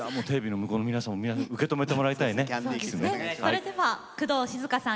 それでは工藤静香さん